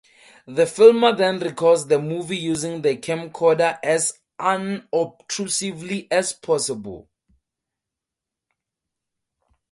The filmer then records the movie using the camcorder as unobtrusively as possible.